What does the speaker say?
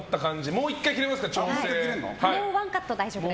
もう１回切れますから。